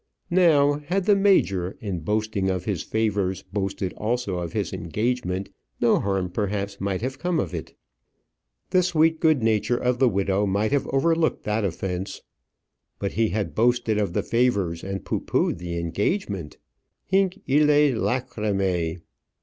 Now, had the major, in boasting of his favours, boasted also of his engagement, no harm perhaps might have come of it. The sweet good nature of the widow might have overlooked that offence. But he had boasted of the favours and pooh poohed the engagement! "Hinc illæ lacrymæ."